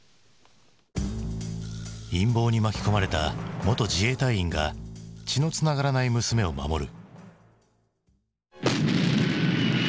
陰謀に巻き込まれた元自衛隊員が血のつながらない娘を守る。